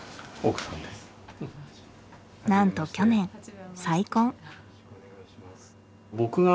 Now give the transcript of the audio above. なんと去年再婚。